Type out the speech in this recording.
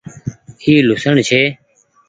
اي لهوسڻ ڇي۔